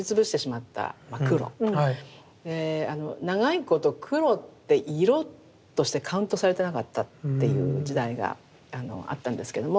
長いこと黒って色としてカウントされてなかったっていう時代があったんですけれども。